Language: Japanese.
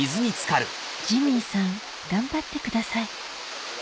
ジミーさん頑張ってください